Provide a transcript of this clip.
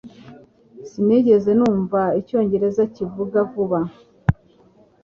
Sinigeze numva icyongereza kivuga vuba